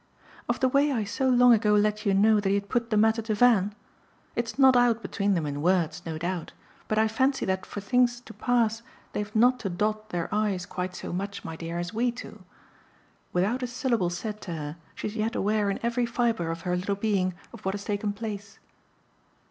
"Of the way I so long ago let you know that he had put the matter to Van? It's not out between them in words, no doubt; but I fancy that for things to pass they've not to dot their i's quite so much, my dear, as we two. Without a syllable said to her she's yet aware in every fibre of her little being of what has taken place."